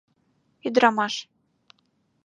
Ӱдырамаш.